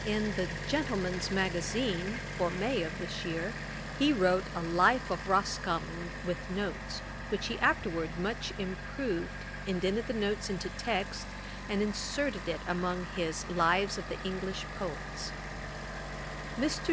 ] In the Gentleman's Magazine for May of this year he wrote a 'Life of Roscommon,'[*] with Notes, which he afterwards much improved, indented the notes into text, and inserted it amongst his Lives of the English Poets. Mr.